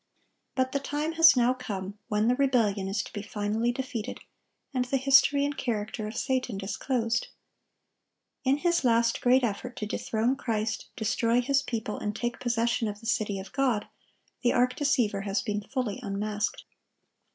But the time has now come when the rebellion is to be finally defeated, and the history and character of Satan disclosed. In his last great effort to dethrone Christ, destroy His people, and take possession of the city of God, the arch deceiver has been fully unmasked.